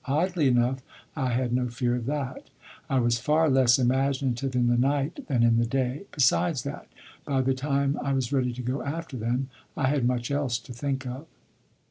Oddly enough I had no fear of that. I was far less imaginative in the night than in the day. Besides that, by the time I was ready to go after them I had much else to think of.